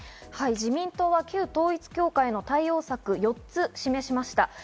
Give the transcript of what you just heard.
自民党は旧統一教会の対応策、４つ示しました。